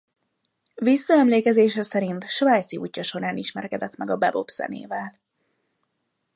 Visszaemlékezése szerint svájci útja során ismerkedett meg a bebop zenével.